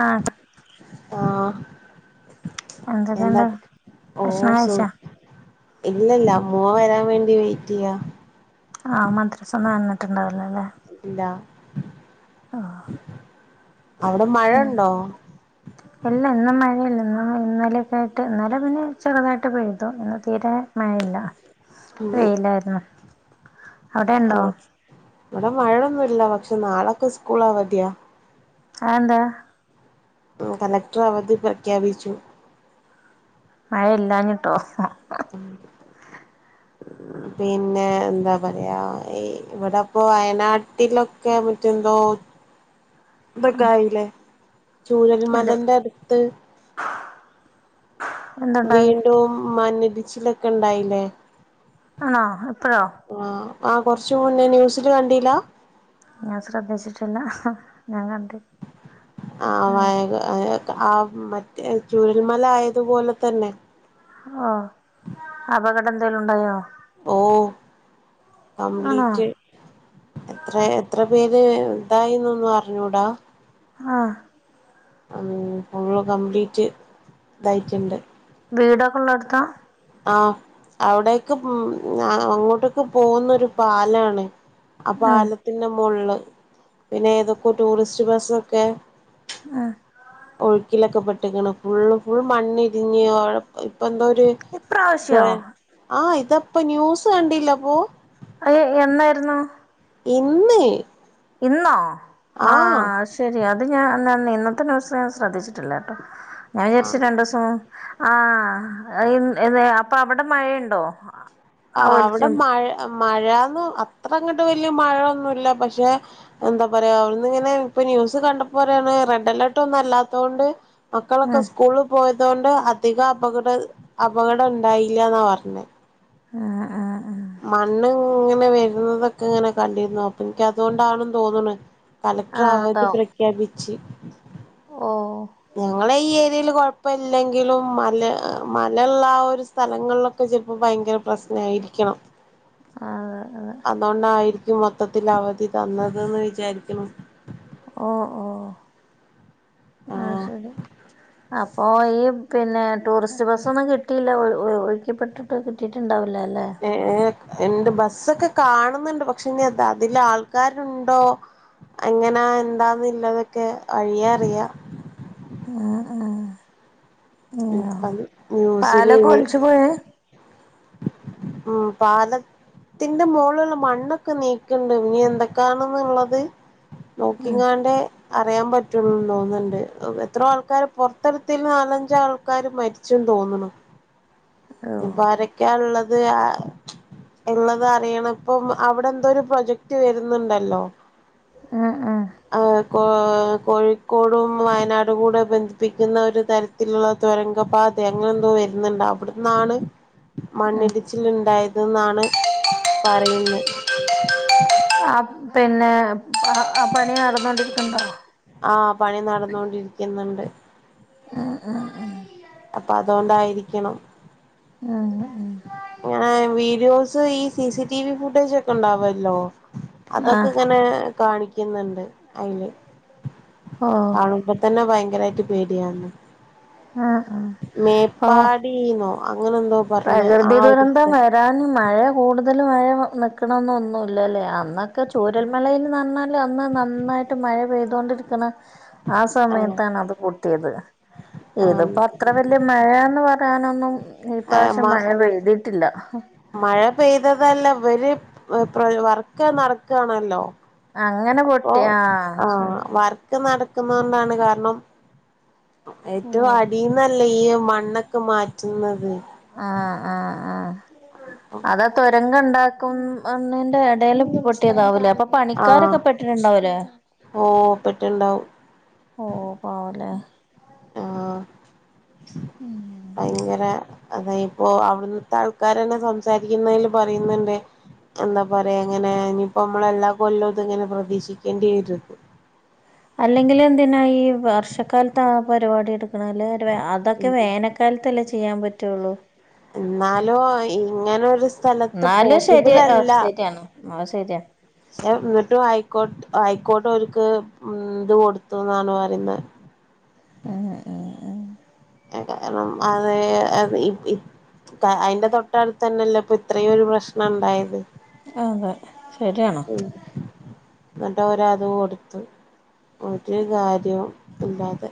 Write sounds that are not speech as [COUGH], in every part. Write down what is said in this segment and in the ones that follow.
ആഹ് ആഹ്, എന്തൊക്കെയുണ്ട് എന്താട്ട് ഭക്ഷണം ഓഹ് സുഖം. കഴിച്ചാ ഇല്ലല്ല മോൻ വരാൻ വേണ്ടി വെയിറ്റെയ്യാ ആഹ് മദ്രസന്ന് വന്നിട്ടുണ്ടാവൂലല്ലേ ഇല്ല. ആഹ്, [INAUDIBLE] അവിടെ മഴ ഉണ്ടോ ഹ്മ്മ് ഇല്ല ഇന്ന് മഴയില്ല ഇന്നും ഇന്നലൊക്കെ ആയിട്ട് ഇന്നലെ പിന്നെ ചെറുതായിട്ട് പെയ്തു ഇന്ന് തീരെ മഴയില്ല. വെയിലായിരുന്നു. അവിടെ ഉണ്ടോ ആണോ, ഇവടെ മഴൊന്നുല്ല പക്ഷെ നാളൊക്കെ സ്കൂളവതിയാ അതെന്താ ഹ്മ്മ്, കളക്ടറവധി പ്രഖ്യാപിച്ചു. മഴ ഇല്ലാഞ്ഞിട്ടോ [INAUDIBLE] പിന്നെ എന്താ പറയാ ഈ ഇവടപ്പൊ വയനാട്ടിലൊക്കെ മറ്റെന്തോ [INAUDIBLE] ഇതൊക്കായിലെ, ചൂഴൽ എന്ത് മലന്റെ അട്ത്ത് എന്തുണ്ടായി വീണ്ടും മന്നിടിച്ചിലൊക്കെ ഇണ്ടായില്ലേ ആഹ് ഇപ്പഴോ ആഹ് ആ കൊറച്ച് മുന്നേ ന്യൂസില് കണ്ടിലാ ഞാൻ ശ്രദ്ധിച്ചിട്ടില്ല. ഞാൻ കണ്ടി ആഹ് വയഗ ആഹ് മറ്റേ ചുഴൽമല ആയതുപോലെ തന്നെ ആഹ് അപകടം എന്തെലും ഇണ്ടായോ ഓഹ് ആണോ കംപ്ലീറ്റ് എത്രെ എത്രെ പേര് ഇതായി ന്നൊന്നും അറിഞ്ഞൂടാ ആഹ്. ഉം ഫുള്ള് കംപ്ലീറ്റ് ഇതായിട്ടുണ്ട് വീടൊക്കെള്ളെടുത്ത ആഹ് അവിടെയൊക്ക് ഉം അങ്ങോട്ടൊക്കെ പോകുന്നൊരു പാലാണ് ആഹ് ഉം പാലത്തിന്റെ മുകളില് പിന്നെ ഏതൊക്കെ ടൂറിസ്റ്റ് ബസ്സൊക്കെ ഒഴുക്കിലൊക്കെ പെട്ടികണു ഫുള് ഫുൾ മണ്ണി ഇടിഞ്ഞ് അവിടെ ഇപ്പം എന്തോ ഒരു ഇപ്രാവശ്യോ ആഹ് ഇത് ഇപ്പോ ന്യൂസ് കണ്ടില്ലപ്പോ അയ എന്നായിരുന്നു ഇന്ന് ഇന്നോ ആഹ് അത് ശരി അത് ഞാൻ ഇന്നത്തെ ന്യൂസ്‌ ഞൻ ശ്രദ്ധിച്ചിട്ടില്ല കേട്ടോ ഞാൻ വിചാരിച്ച ആഹ് രണ്ട് ദിവസം ഉം ആഹ് അപ്പൊ അവിടെ മഴയുണ്ടോ ആ ആഹ് അവിടെ ഒലിച്ചും മഴ മഴന്നു അത്ര അങ്ങോട്ട് വലിയ മഴയൊന്നുമില്ല പക്ഷെ എന്താ പറയാ അവിടന്ന് ഇങ്ങനെ ഇപ്പൊ ന്യൂസ് കണ്ടപ്പോ പറയാണ് റെഡ് അലേർട്ട് ഒന്നും അല്ലാത്ത കൊണ്ട് മക്കളൊക്കെ ഉം സ്കൂളിൽ പോയത കൊണ്ട് അധിക അപകട അപകടം ഉണ്ടായില്ലന്നാ പറഞ്ഞത് ആഹ് ആഹ് മണ്ണ് ഇങ്ങനെ വരുന്നതൊക്കെ ഇങ്ങനെ കണ്ടിരുന്ന അപ്പൊ എനിക്ക് അതുകൊണ്ടാണെന്ന് തോന്നണ കലക്ടർ ആഹ് അവധി അതാവും പ്രഖ്യാപിച്ച് ഓ ഞങ്ങള ഈ ഏരിയേയിൽ കുഴപ്പമില്ലെങ്കിലും മല മല യുള്ള ആഹ് ഒരു സ സ്ഥലങ്ങളിലൊക്കെ ചിലപ്പോൾ ഭയങ്കര പ്രശ്നയിരിക്കണം അതെ അതെ അതുകൊണ്ടായിരിക്കും മൊത്തത്തിൽ അവധി തന്നത് ന്ന്‌ വിചാരിക്കണ് ഓ ഓ ആഹ് ശരി അപ്പൊ ഈ പിന്നെ ടൂറിസ്റ്റ് ബസ്സൊന്നും കിട്ടിയില്ല ഒ ഒഴുക്കിപ്പെട്ടിട്ട് കിട്ടിയിട്ടുണ്ടാവില്ല അല്ലേ ഏഹ് ഇണ്ട് ബസ്സൊക്കെ കാണുന്നുണ്ട് പക്ഷെ ഇനി അതില് ആൾക്കാരുണ്ടോ അങ്ങനാ എന്താന്നുള്ളതൊക്കെ വഴിയാ അറിയാ ആഹ് ആഹ് ഇപ്പം ന്യൂസില് തു പോയെ ഉം പാല ത്തിന്റെ മുകളിലുള്ള മണ്ണൊക്കെ നീക്കുന്നുണ്ട് ഇനി എന്തൊക്കെയാണ്ന്നുള്ളത് ഉം നോക്കിങ്ങാണ്ട് അറിയാൻ പറ്റുള്ളൂന്ന് തോന്നുന്നുണ്ട് എത്രോ ആൾക്കാര് പൊറത്തെടുത്തത്തിൽ നാലഞ്ച് ആൾക്കാർ മരി ച്ചും തോന്നുണു ഇപ്പ ഓ അരൊക്കെയ ഉള്ളത് ഇള്ളത് അറിയണം ഇപ്പം അവിടെ എന്തോ ഒരു പ്രൊജക്ട് വരുന്നുണ്ടല്ലോ ആഹ് ആഹ് അഹ് കോ കോഴിക്കോടും വയനാടും കൂടെ ബന്ധിപ്പിക്കുന്ന ഒരു തര ത്തിലുള്ള തുരങ്ക പാത അങ്ങനെ എന്തോ വരുന്നുണ്ട് അവിടെ ന്നാണ് ഉം മണ്ണിടിച്ചിൽ ഉണ്ടായത് എന്നാണ് പറയുന്നത് തന്നെ ആഹ് പണി നടന്നോണ്ടിരിക്കുന്നുണ്ടോ ആഹ് പണി നടന്നൊണ്ടിരിക്കുന്നുണ്ട് ഉം ഉം ഉം അപ്പൊ അതുകൊണ്ടായിരിക്കണം ഉം ഉം ങ്ങാ വീഡിയോസ് ഈ C C T V footage ഒക്കെ ചെ ഉണ്ടാവല്ലോ അതൊക്കെ ആഹ് ഇങ്ങനെ കാണിക്കുന്നുണ്ട് അതില് ഓ കാണുമ്പ തന്നെ ഭയങ്കരമായിട്ട് പേടിയവ്ന്ന് ആഹ് ആഹ് ഓ മേപ്പാടിന്നോ അങ്ങനെന്തോ പ്രകൃതി ദുരന്തം വ രാൻ മഴ കൂടുതൽ മഴ നി ക്കണോന്നോന്നില്ലല്ലെ അന്നൊക്കെ ചു രൽമലയിൽ ന്നറഞ്ഞാൽ അന്ന് നന്നായിട്ട് മഴ പെയ്തു കൊണ്ടിരിക്കണെ ആ ആഹ് സമയത്താണ് അത് പോട്ടിയത് ഇത് ആഹ് പ്പെ അത്ര വലിയ മഴന്ന് പറയാനൊന്നും ആഹ് ഇപ്രാവശ്യം മ മഴ പെയ്തിയിട്ടില്ല മഴ പെയ്തതല്ല ഇവര് വർക് നടക്കണല്ലോ അങ്ങനെ പൊട്ടി ആഹ് ഒക്കെ നടക്കുന്ന കൊണ്ടാണ് കാരണം ഏറ്റവും ഓ അടീന്നല്ലേ ഈ മണ്ണൊക്കെ മാറ്റുന്നത് ആഹ് ആഹ് ആഹ് അത തൊരംഗം ഉണ്ടാക്കും എണ്ണിന്റെ ഇടെല് പൊട്ടിയതാവലേ അപ്പൊ ആഹ് പണിക്കാരൊക്കെ പെട്ടിട്ടുണ്ടാവലേ ഓ പെട്ടുണ്ടാവും ഓഹ് പാവലേ ആഹ് ഭയങ്കര അതെ ഇപ്പോ അവിടന്നത്തെ ആൾക്കാരന്നെ സംസാരിക്കുന്നതില് പറയുന്നുണ്ട് എന്താ പറയാ എങ്ങനെ ഇനിയിപ്പോ നമ്മള എല്ലാ കൊല്ലവും ഇത ഇങ്ങനെ പ്രതീക്ഷിക്കേണ്ടി വരുത് അല്ലെങ്കിൽ എന്തിനാ ഈ വർഷക്കാലത്ത് ആ പരിപാടി എടുക്കണല് അതൊക്കെ വേനക്ക ക്കാലത്തല്ലേ ചെയ്യാൻ പറ്റുള്ളൂ എന്നാലോ ഇങ്ങനെ ഒരു സ്ഥലത്ത് എന്നാലും ശരി പോസിബിൾ ആ അല്ല ശരിയാണ് ആ ശരിയാ പക്ഷെ എന്നിട്ടും ഹയിക്കോട്ട് ഹയിക്കോട് ഒരുക്ക് ഇത് കൊടുത്തു ന്നാണ് പറയുന്നേ ഏഹ് ഏഹ് ഏഹ് [UNINTELLIGIBLE] അയിന്റെ തൊട്ടടുത്തന്നെല്ലേ ഇപ്പൊ ഇത്രയും ഒരു പ്രശ്നം ഉണ്ടായത് അതെ ശരിയാണ് എന്നിട്ട് ഒരാത് കൊടുത്തു ഒരു കാര്യം ഇല്ലാതെ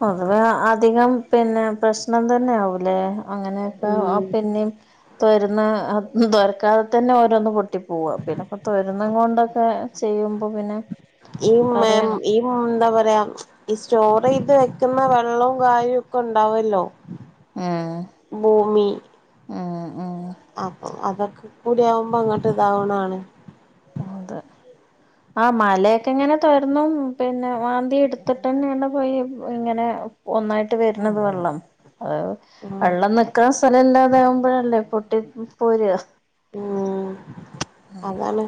പൊതുവേ അധികം പിന്ന പ്രശ്നം തന്നെ ആവൂലേ അങ്ങനയൊക്കെ ഉം പിന്നേം തോരന് തൊരക്കാതെ തന്നെ ഓരോന്ന് പൊട്ടിം പോവ്വാ പിന്നെപ്പോ തൊരന്നുകൊണ്ടൊക്കെ ചെയ്യുമ്പോ പിന്നെ പറയണം പോ എന്താ പറയാ ഈ സ്റ്റോർ ചെയ്ത് വെക്കുന്ന വെള്ളം കാര്യവും ഒക്കെ ഉണ്ടാവല്ലോ ഏഹ് ഏഹ് ഏഹ് അപ്പോ അതൊക്കെ കൂടി ആകുമ്പോ ങ്ങട്ട് ഇതാവണതാണ് എന്ത് ആഹ് മലയൊക്കെ ഇങ്ങനെ തോരന്നും പിന്നെ മാന്തി എടുത്തിട്ടന്നെണ് പോയി ഇങ്ങനെ ഒന്നായിട്ട് വരുന്നത് വെള്ളം ഉം വെള്ളം നിക്ക്ണ സ്ഥല ഇല്ലാതെ ആകുമ്പോഴല്ലേ പൊട്ടി പോര ആഹ് അതാണ്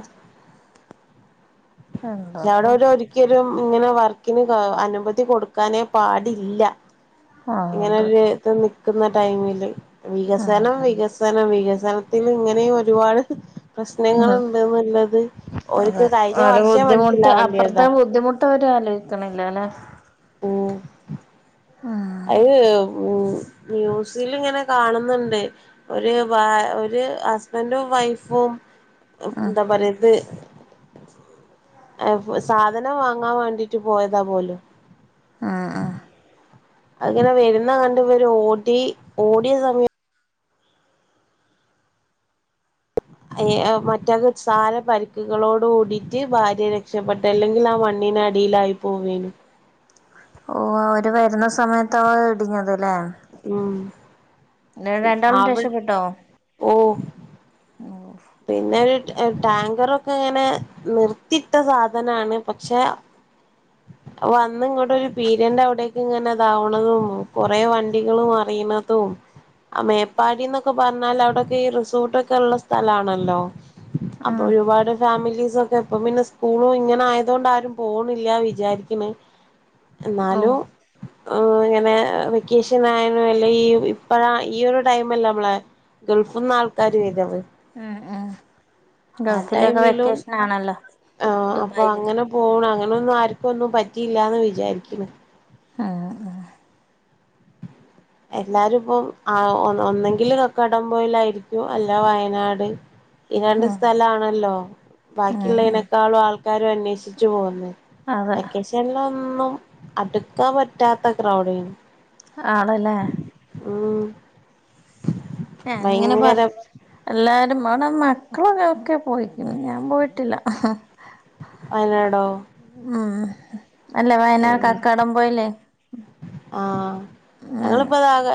ക്ഷെ അവിടെ എന്താപ്പോ ഒരു ഒരിക്കലും ഇങ്ങനെ വർക്കിന് അനുമതി കൊടുക്കാനേ പാടില്ല ആ ഇങ്ങനെ അതെ ഒരുത് നിക്കുന്ന ടൈമില് വികസനം ഉം വികസ സനം വികസനത്തിന് ഇങ്ങനെ ഒരുപാട് ഉം പ്രശ്നങ്ങള്ണ്ട് ന്നുള്ളത് ഓൽക്ക് കഴിഞ്ഞ വർശെ മനസ്സിലാവേണ്ടിയതാ ഇത് ഓര് ആലോയിക്ക്ണ്ല്ല ല്ലെ ഉം ഉം അയ് ഏഹ് മ്യൂസിൽങ്ങന കാണ്ന്ണ്ട് ഒര് വ ഒര് ഹസ്ബന്റും വൈഫും ഉം എന്താ പറയ ത് സാധനം വാങ്ങാൻ വേണ്ടിട്ട് പോയതാ പോലും ആഹ് ആഹ് അഅ്ങ്ങനെ വര്ന്ന കണ്ട് ഇവര് ഓടി ഓടിയ സമയത് എയ് അ മറ്റാക്ക്സാര പരിക്കുകളോട് കൂടീട്ട് ഭാര്യ രക്ഷപ്പെട്ട് ട്ട് അല്ലെങ്കിൽ ആ മണ്ണീനടീലായി പോവേനു ഓ അവര് വരുന്ന സമയത്താവും അഅ് ഇടിഞ്ഞത് ല്ലേ ഉം ന്നട്ട് രണ്ടാളും രക്ഷപ്പെട്ടോ ഓഹ് പിന്നെ ഒര് ടാങ്കറൊക്കെ ഇങ്ങനെ നിർത്തിട്ട സാധനാണ് പക്ഷെ വന്ന് ഇങ്ങോട്ടൊരു പീടിയന്റെ അവിടേക് ഇങ്ങനെ താവ്ണതും കൊറെ വണ്ടികളും മറീണ തും ആ മേപ്പാടി ന്നൊക്കെ പറഞ്ഞാല് അവിടെക്കെ ഈ റിസോർട്ടൊക്കെ ള്ള സ്ഥലാണല്ലോ അപ്പൊ ഉം ഒരുപാട് ഫാമിലീസ് ഒക്കെ ഇപ്പ പിന്നെ സ്കൂളും ഇങ്ങനെ ആയതോണ്ട് ആരും പോണില്ലാ വിജ് വിജാരിക്ക്ണ് ഓ ന്നാലും ഇങ്ങനെ വെക്കേഷൻ ആയാലും അല്ലെ ഈ ഇപ്പഴ ഈ ഒരു ടൈമല്ലെ നമ്മളെ- ഗൾഫ്ന്ന് ആൾക്കാര് വെരവ് ഉം ഉം ഗൾഫിലൊക്കെ ടൈമിലും വെക്കേഷന് ആണല്ലോ ആ അപ്പൊ ദുബായിലക്കെ അങ്ങനെ പോണ് അങ്ങനാെന്നും ആർക്കും ഒന്നും പറ്റില്ലാന്ന് വിചാരിക്കിണ് ആഹ് ആഹ് എല്ലാരും ഇപ്പം ആ ഒന്ന് ഒന്നെങ്കില് കക്കാടംപോയിലായിരിക്കും അല്ലാ വയനാട് [INAUDIBLE] ഈ രണ്ട് സ്ഥലആണല്ലോ ഉം ഉം ബാക്കിള്ളനേക്കാളുംആൾക്കാര് അന്വേഷിച്ചു പൊവ്ന്നെ അതെ വെക്കേഷൻല് ഒന്നും അട്ക്കാൻ പറ്റാത്ത അത്ര ക്രൗഡയ്നി ആണ്ല്ലേ ഉം ഞാൻ ഇങ്ങനെ ഭയങ്കര പറഞു എല്ലാരും മെണ മക്കള് ഓലൊക്കെ പോയിക്കിണ് ഞാൻ പോയിട്ടില്ല വയനാടോ ആഹ് ഏ അല്ലവയനാ കക്കാടംപോയിലെ ആഹ് ഉം ഞങ്ങളിപ്പ താകെ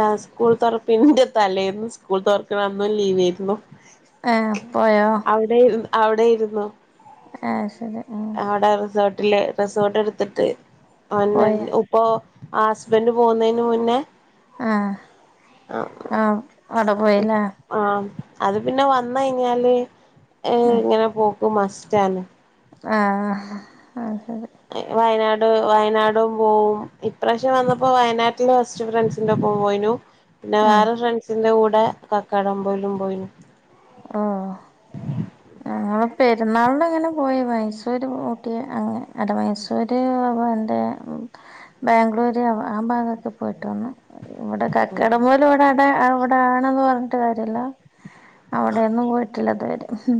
ഏഹ് സ്കൂൾ താെറപ്പിന്റെ തലെന്നും സ്കൂൾ താെറക്ക്ണ അന്നും ലീവേയ്ര്ന്നു ഏഹ് പോയോ അവിടെ അവിടെയിരുന്നോ ഏഹ് ശരി ആടെ റിസോർട്ടില് റിസോർട്ട് ഇട്ത്തിട്ട് പോയോ അന്നന്നെ ഉപ് പ്പോ ഹസ്ബൻഡ് പോവ്ന്നേന് മുന്നേ ആഹ് ആഹ് അവ്ടെ പോയില്ലേ ആഹ് അത് പിന്നെ വന്ന്കഴിഞ്ഞാല് ഏ് ഉം ഇങ്ങനെ പോക്ക് മസ്റ്റാണ് ആഹ് ആഹ് ല്ലെങ്കി വയനാട് വയനാടും പോവും ഇപ്രാവശ്യം വന്നപ്പോ വയനാട്ടില് ബസ് സ്റ്റ് ഫ്രൻസിന്റെഒപ്പം പോയിനൂ പിന്നെ ഉം വേറെ ഫ്രണ്ട്സിന്റെ കൂടെ കക്കാടംപോയിലും പോയിനു ആഹ് ഏഹ് നങ്ങള് പെര്ന്നാളിന് അങ്ങനെ പോയി മൈസൂര് ഊട്ടി അങ്ങനെ അത് മൈസൂര് [UNINTELLIGIBLE] ബാംഗ്ലൂര് അ ആ ഭാഗൊക്കെ പോയിട്ട് വന്നു വിടെ കക്കാടംപോയില് ഇവടെ ആടെ അവിടെ ആണ്ന്ന് പറഞ്ഞിട്ട് കാര്യല്ലാ അവിടെന്നും പോയിട്ടില്ല ഇതുവരെ ഹും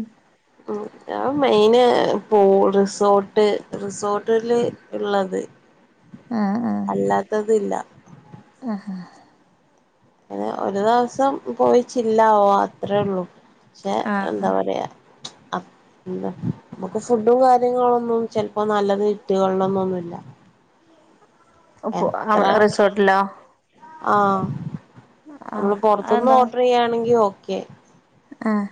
ഞാന് മെയിന് പോവും റിസോർട്ട് റിസോർട്ടില് ള്ളത് [INAUDIBLE] അല്ലാത്തത് ഇല്ല ആഹ് ഹാ ഇങ്ങനെ ഒരു ദിവസം പോയിച്ചില്ലാവാ അത്രേ ഒള്ളൂ പക്ഷെ ആഹ് എന്താ പറയാ [UNINTELLIGIBLE] എന്താ നമ്മക്ക് ഫുഡും കാര്യങ്ങളൊന്നും ചെലപ്പോ നല്ലത് കിട്ടിയോളണന്നൊന്നുല്ല ആഹ് എത്ര അവിടെ റിസോർട്ടിലോ ആഹ് ആഹ് നമ്മള് പൊറത്ത്ന്ന് അതെന്താ ഓർഡർ ചെയ്യാണെങ്കി ഓക്കെ ആഹ്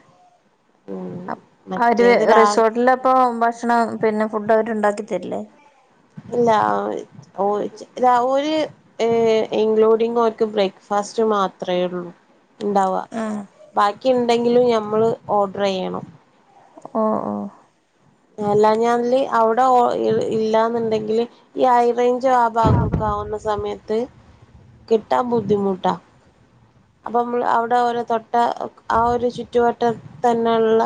ഉം അപ് അവര് മറ്റേത് രാവി റിസോർട്ടിലപ്പോ ഭക്ഷണം പിന്നെ ഫുഡ് അവര് ഇണ്ടാക്കി തരില്ലേ ഇല്ല അവ ഓ ഓര് ഏഹ് ഇൻക്ലൂഡിങ് ഓര്ക്ക് ബ്രേക്ക്ഫാസ്റ്റ് മാത്രേ ഉള്ളൂ ഇണ്ടാവാ ആഹ് ബാക്കി ഇണ്ടെങ്കിലും ഞമ്മള് ഓർഡർ ചെയ്യണം ഓഹ് ഓഹ് അല്ലാഞ്ഞാല് അവിടെ ഓ ഇൽ ഇല്ലാന്നുണ്ടെങ്കില് ഈ ആയിറേഞ്ചോ ആ ഭാഗൊക്കെ ആവുന്ന സമയത്ത് കിട്ടാൻ ബുദ്ധിമുട്ടാ അപ്പൊ ഇമ്മള് അവിടെ ഓലെ തൊട്ട ആ ഒരു ചുറ്റുവട്ടത്തെന്നെള്ള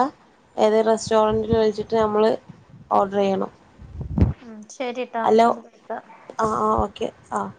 ഏതെ റെസ്റ്റോറന്റിൽ വിളിച്ചിട്ട് നമ്മള് ഓർഡർ ചെയ്യണം ഉം ശരിട്ടാ [UNINTELLIGIBLE] വിളിക്കാ ആഹ് ആഹ് ഓക്കെ ആഹ്